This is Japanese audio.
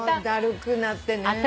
だるくなってね。